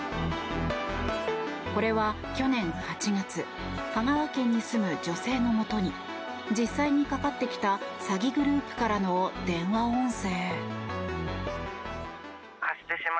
これは去年８月香川県に住む女性のもとに実際にかかってきた詐欺グループからの電話音声。